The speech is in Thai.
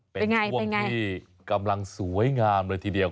เป็นช่วงที่กำลังสวยงามเลยทีเดียว